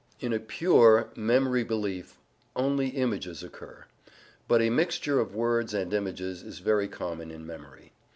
In a PURE memory belief only images occur. But a mixture of words and images is very common in memory.